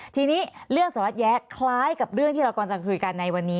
ทีนี้เรื่องสารวัตรแยะคล้ายกับเรื่องที่เรากำลังจะคุยกันในวันนี้